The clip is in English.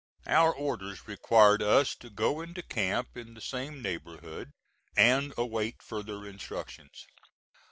Our orders required us to go into camp in the same neighborhood, and await further instructions.